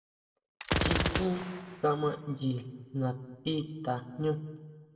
Chikín kama ʼnyi natí tajñú.